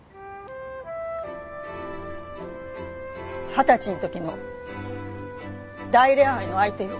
二十歳の時の大恋愛の相手よ。